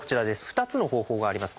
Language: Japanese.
２つの方法があります。